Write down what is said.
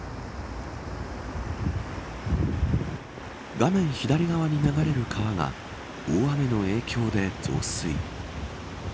画面左側に流れる川が大雨の影響で増水。